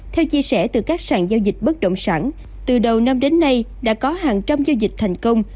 theo chia sẻ từ các sàn giao dịch bất động sản từ đầu năm đến nay đã có hàng trăm giao dịch thành công